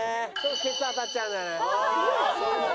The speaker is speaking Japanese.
ケツ当たっちゃうんだよね。